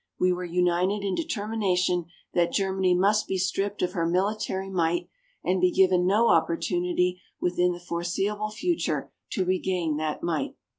We were united in determination that Germany must be stripped of her military might and be given no opportunity within the foreseeable future to regain that might.